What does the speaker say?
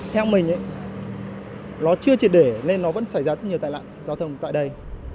theo mình nó chưa triệt để nên nó vẫn xảy ra rất nhiều tai nạn giao thông tại đây